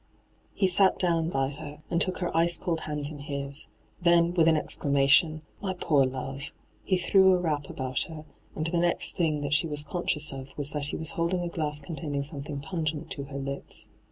He sat down by her, and took her ice cold hands in his ; then, with an exclamation, * My poor love I' he threw a wrap about her, and the next thing that she was conscious of was that he was holding a glass containing some thing pungent to her lips.